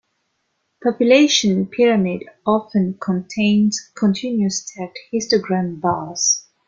Population pyramid often contains continuous stacked-histogram bars.